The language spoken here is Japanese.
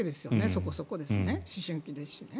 そこそこね思春期ですしね。